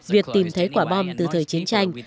việc tìm thấy quả bom từ thời chiến tranh